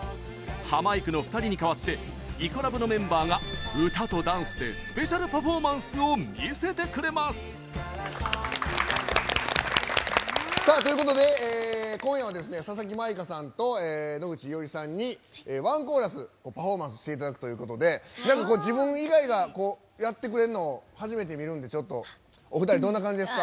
ハマいくの２人に代わってイコラブのメンバーが歌とダンスでスペシャルパフォーマンスを見せてくれます！ということで今夜は佐々木舞香さんと野口衣織さんにワンコーラスをパフォーマンスしていただくということで自分以外がやってくれるの初めて見るんでお二人、どんな感じですか？